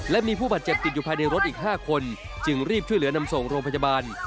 และมีผู้บาดเจ็บติดอยู่ภายในรถอีก๕คนจึงรีบช่วยเหลือนำส่งโรงพยาบาล